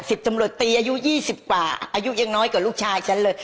ตำรวจตีอายุยี่สิบกว่าอายุยังน้อยกว่าลูกชายฉันเลย